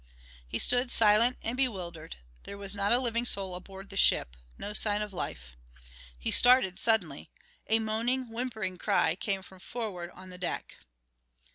He stood silent and bewildered. There was not a living soul aboard the ship no sign of life. He started suddenly. A moaning, whimpering cry came from forward on the deck!